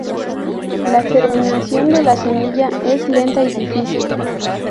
La germinación de la semilla es lenta y difícil.